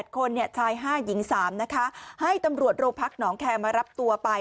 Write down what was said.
คนชาย๕หญิง๓นะคะให้ตำรวจโรงพักหนองแคร์มารับตัวไป